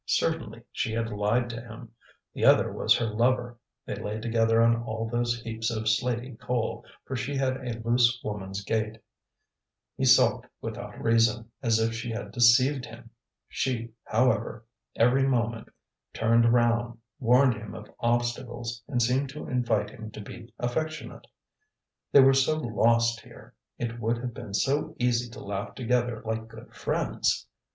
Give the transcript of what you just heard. Certainly she had lied to him: the other was her lover, they lay together on all those heaps of slaty coal, for she had a loose woman's gait. He sulked without reason, as if she had deceived him. She, however, every moment turned round, warned him of obstacles, and seemed to invite him to be affectionate. They were so lost here, it would have been so easy to laugh together like good friends!